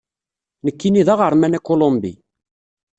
Nekkini d aɣerman akulumbi.